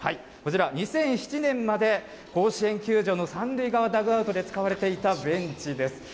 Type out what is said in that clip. こちら、２００７年まで甲子園球場の３塁側ダグアウトで使われていたベンチです。